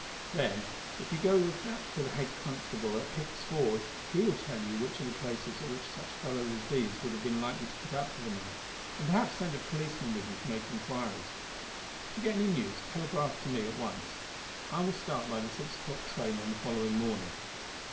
Then if you go with that to the head constable at Hicks Ford he will tell you which are the places at which such fellows as these would have been likely to put up for the night, and perhaps send a policeman with you to make inquiries. If you get any news telegraph to me at once. I will start by the six o'clock train on the following morning.